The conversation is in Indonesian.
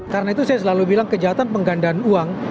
karena itu saya selalu bilang kejahatan penggandaan uang